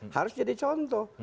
harus jadi contoh